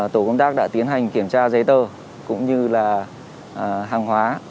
tổ công tác đã tiến hành kiểm tra giấy tờ cũng như là hàng hóa